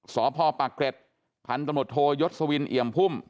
สพปรักเกร็ดพันธนโมทโทยศวินเหยียมพุ่ม